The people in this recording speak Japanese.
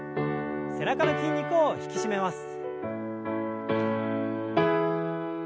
背中の筋肉を引き締めます。